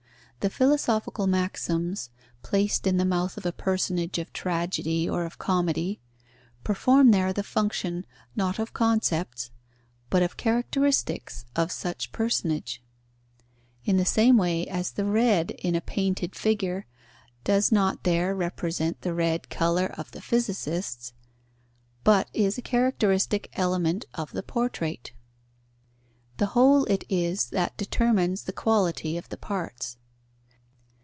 The philosophical maxims placed in the mouth of a personage of tragedy or of comedy, perform there the function, not of concepts, but of characteristics of such personage; in the same way as the red in a painted figure does not there represent the red colour of the physicists, but is a characteristic element of the portrait. The whole it is that determines the quality of the parts.